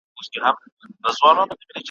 په شېلو کي پړانګ په منډو کړ ځان ستړی ,